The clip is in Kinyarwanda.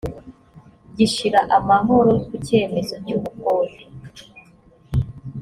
gishira amahoro ku cyemezo cy’ubukode